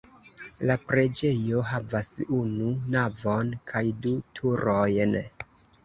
La preĝejo havas unu navon kaj du turojn.